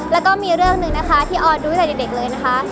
แล้วก็มีเรื่องหนึ่งนะคะที่ออนดูตั้งแต่เด็กเลยนะคะ